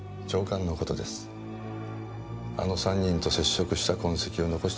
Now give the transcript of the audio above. あの３人と接触した痕跡を残してないでしょ。